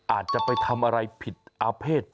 อาจจะไปทำอะไรผิดอาเภษ